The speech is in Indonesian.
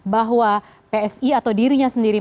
bahwa psi atau dirinya sendiri